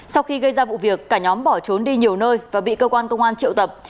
sau khi gây ra vụ việc cả nhóm bỏ trốn đi nhiều nơi và bị cơ quan công an triệu tập